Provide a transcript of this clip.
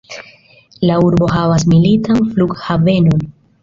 La urbo havas militan flughavenon.